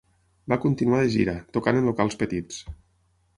Va continuar de gira, tocant en locals petits.